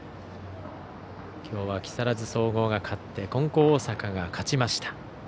今日は木更津総合が勝って金光大阪が勝ちました。